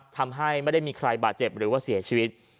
ทำให้ไม่ได้มีใครบาดเจ็บหรือว่าเสียชีวิต